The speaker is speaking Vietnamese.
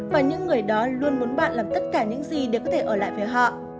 và những người đó luôn muốn bạn làm tất cả những gì đều có thể ở lại với họ